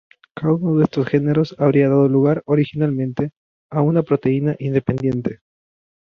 Cada uno de estos genes habría dado lugar, originalmente, a una proteína independiente.